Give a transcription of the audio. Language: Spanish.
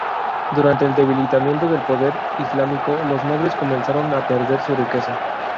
Durante el debilitamiento del poder islámico, los nobles comenzaron a perder su riqueza.